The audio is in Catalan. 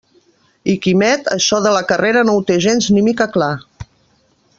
I Quimet això de la carrera no ho té gens ni mica clar.